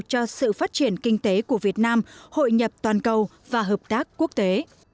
cho sự phát triển kinh tế của việt nam hội nhập toàn cầu và hợp tác quốc tế